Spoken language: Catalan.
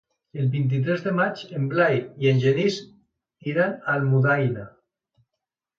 El vint-i-tres de maig en Blai i en Genís iran a Almudaina.